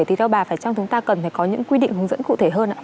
thì đâu bà phải trong chúng ta cần phải có những quy định hướng dẫn cụ thể hơn ạ